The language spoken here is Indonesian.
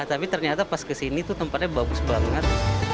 tapi ternyata pas ke sini tuh tempatnya bagus banget